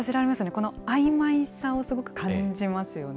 このあいまいさをすごく感じますよね。